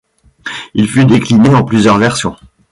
Il fut décliné en plusieurs versions.